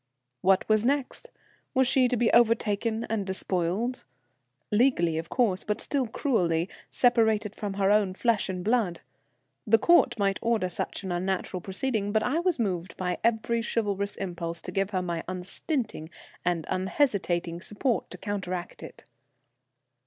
What next? Was she to be overtaken and despoiled, legally, of course, but still cruelly, separated from her own flesh and blood? The Court might order such an unnatural proceeding, but I was moved by every chivalrous impulse to give her my unstinting and unhesitating support to counteract it.